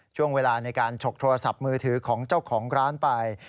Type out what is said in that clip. ช่วงเวลาในการฉกโทรศัพท์มือถือของเจ้าของร้านไป